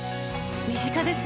身近ですね。